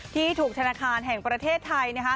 ที่ถูกธนาคารแห่งประเทศไทยนะคะ